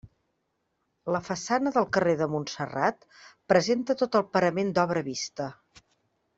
La façana del carrer de Montserrat presenta tot el parament d'obra vista.